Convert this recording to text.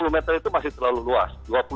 dua puluh meter itu masih terlalu luas